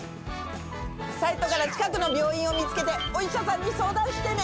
サイトから近くの病院を見つけてお医者さんに相談してね！